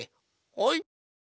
はい。